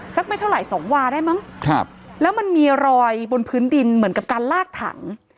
ไม่เท่าไหร่สองวาได้มั้งครับแล้วมันมีรอยบนพื้นดินเหมือนกับการลากถัง